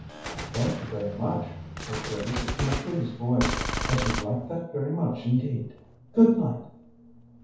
"Thank you very much," said Grace in a pleased voice. "I should like that very much indeed. Good night."